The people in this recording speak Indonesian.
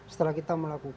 setelah kita melakukan